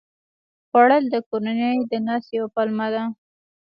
خوړل د کورنۍ د ناستې یوه پلمه ده